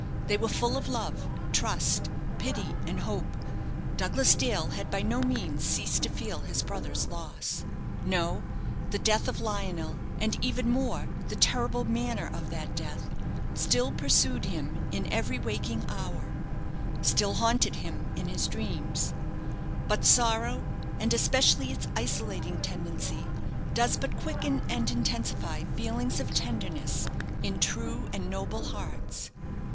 They were full of love, trust, pity, and hope. Douglas Dale had by no means ceased to feel his brother's loss. No, the death of Lionel, and, even more, the terrible manner of that death, still pursued him in every waking hour still haunted him in his dreams; but sorrow, and especially its isolating tendency, does but quicken and intensify feelings of tenderness in true and noble hearts.